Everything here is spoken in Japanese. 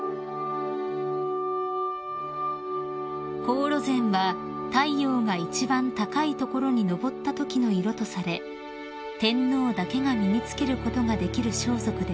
［黄櫨染は太陽が一番高い所に昇ったときの色とされ天皇だけが身に着けることができる装束です］